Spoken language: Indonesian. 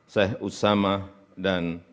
saya usama dan